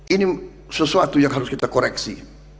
ini sesuatu yang harus kita koreksi